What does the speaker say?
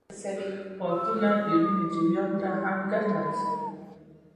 غاښونه د وینې جریان ته هم ګټه رسوي.